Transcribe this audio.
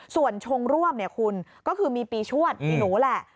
ส่วนชงร่วมเนี่ยคุณก็คือมีปีชวดปีหนูแหละ